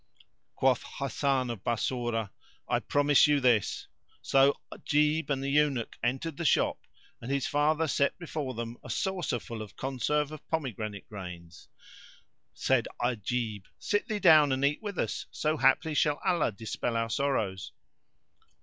Quoth Hasan of Bassorah, "I promise you this." So Ajib and the Eunuch entered the shop, and his father set before them a saucer full of conserve of pomegranate grains. Said Ajib, "Sit thee down and eat with us, so haply shall Allah dispel our sorrows."